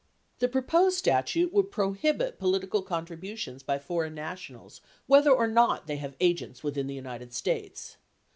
The proposed statute would prohibit political contributions by foreign nationals whether or not they have agents within the United States.